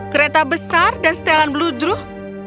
kereta besar dan setelan bludruh